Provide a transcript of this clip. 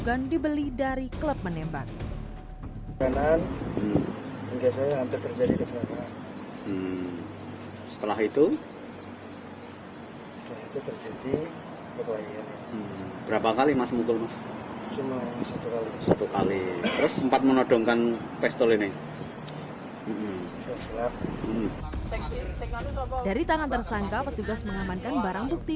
gun dibeli dari klub menembak kanan hingga saya hampir terjadi kesalahan setelah itu